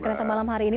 kembali malam hari ini